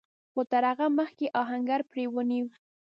خو تر هغه مخکې آهنګر پړی ونيو.